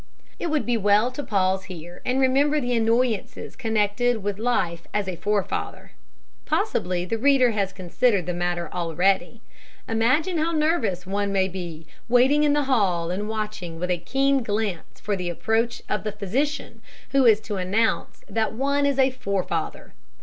It would be well to pause here and remember the annoyances connected with life as a forefather. Possibly the reader has considered the matter already. Imagine how nervous one may be waiting in the hall and watching with a keen glance for the approach of the physician who is to announce that one is a forefather.